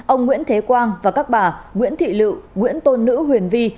ông nguyễn thế quang và các bà nguyễn thị lự nguyễn tôn nữ huyền vi